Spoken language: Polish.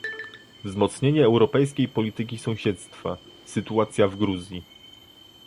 Wzmocnienie europejskiej polityki sąsiedztwa - Sytuacja w Gruzji